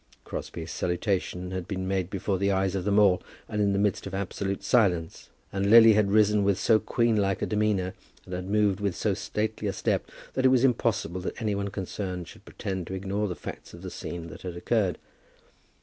Crosbie's salutation had been made before the eyes of them all, and in the midst of absolute silence, and Lily had risen with so queen like a demeanour, and had moved with so stately a step, that it was impossible that any one concerned should pretend to ignore the facts of the scene that had occurred.